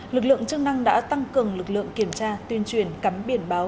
lực lượng chức năng đã tăng cường lực lượng kiểm tra tuyên truyền cắm biển báo